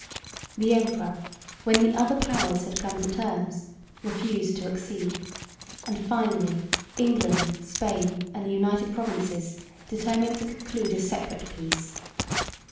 The emperor, when the other powers had come to terms, refused to accede; and finally England, Spain and the United Provinces determined to conclude a separate peace.